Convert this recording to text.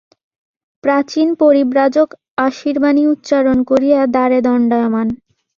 প্রাচীন পরিব্রাজক আশীর্বাণী উচ্চারণ করিয়া দ্বারে দণ্ডায়মান।